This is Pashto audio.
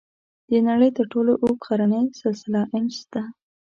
د نړۍ تر ټولو اوږد غرنی سلسله "انډیز" ده.